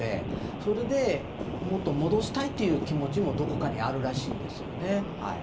それでもっと戻したいという気持ちもどこかにあるらしいんですよね。